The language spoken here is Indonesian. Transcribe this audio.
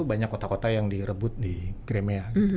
banyak kota kota yang direbut di crimea